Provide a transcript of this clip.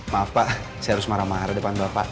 maaf pak saya harus marah marah depan bapak